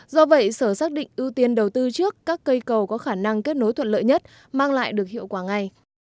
do vậy sở xác định ưu tiên đầu tư trước các cây cầu có khả năng kết nối thuận lợi nhất mang lại được hiệu quả ngay